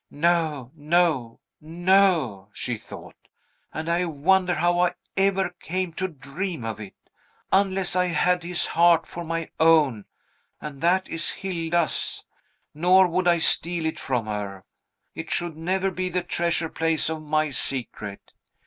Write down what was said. "No, no, no," she thought; "and I wonder how I ever came to dream of it. Unless I had his heart for my own, and that is Hilda's, nor would I steal it from her, it should never be the treasure Place of my secret.